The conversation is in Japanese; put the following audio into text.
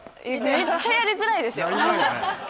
めっちゃやりづらいですよ。